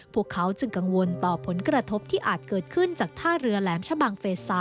พวกเขาจึงกังวลต่อผลกระทบที่อาจเกิดขึ้นจากท่าเรือแหลมชะบังเฟส๓